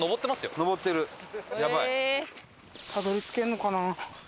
たどり着けるのかな？